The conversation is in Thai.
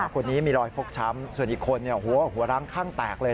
คนนี้มีรอยฟกช้ำส่วนอีกคนหัวร้างข้างแตกเลย